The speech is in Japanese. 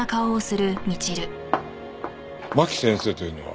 牧先生というのは？